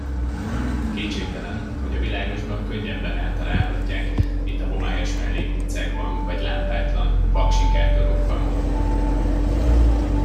Kétségtelen, hogy a világosban könnyebben eltalálhatják, mint a homályos mellékutcákban vagy lámpátlan, vak sikátorokban.